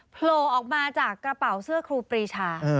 โผล่ออกมาจากกระเป๋าเสื้อครูปรีชา